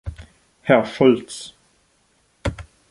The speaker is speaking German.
Herr Schulz!